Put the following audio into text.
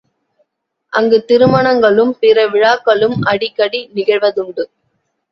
அங்கு திருமணங்களும் பிற விழாக்களும் அடிக்கடி நிகழ்வதுண்டு.